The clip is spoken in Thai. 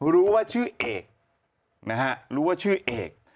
รู้ว่าชื่อเอก